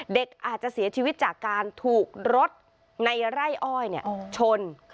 เด็กอาจจะเสียชีวิตจากการถูกรถในไร่อ้อยชน